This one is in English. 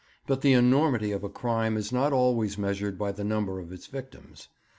But the enormity of a crime is not always measured by the number of its victims.